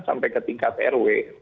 sampai ke tingkat rw